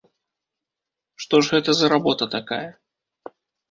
Што ж гэта за работа такая?